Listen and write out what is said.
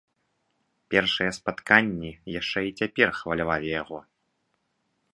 Першыя спатканні яшчэ і цяпер хвалявалі яго.